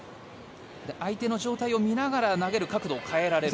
相手の状態を見ながら投げる角度を変えられると。